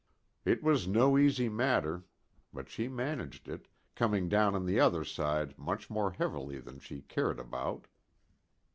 It was no easy matter, but she managed it, coming down on the other side much more heavily than she cared about.